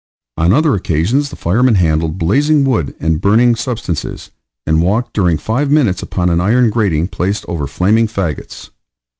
On other occasions the fireman handled blazing wood and burning substances, and walked during five minutes upon an iron grating placed over flaming fagots.